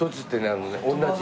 あのね同じ。